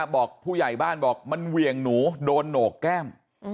บอกผู้ใหญ่บ้านบอกมันเหวี่ยงหนูโดนโหนกแก้ม